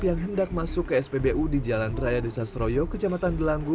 yang hindak masuk ke spbu di jalan raya desa sroyo ke jembatan bilanggu